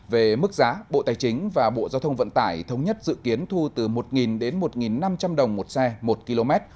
về mức giá bộ tài chính và bộ giao thông vận tải thống nhất dự kiến thu từ một đến một năm trăm linh đồng một xe một km